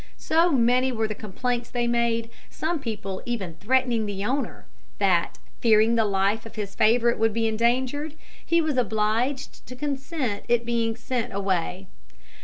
So many were the complaints they made, some people even threatening the owner, that, fearing the life of his favourite would be endangered, he was obliged to consent to its being sent away.